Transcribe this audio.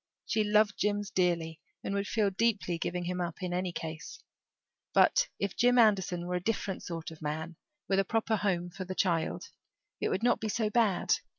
She loved Jims dearly and would feel deeply giving him up in any case; but if Jim Anderson were a different sort of a man, with a proper home for the child, it would not be so bad.